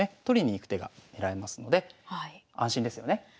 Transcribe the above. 取りに行く手が狙えますので安心ですよね。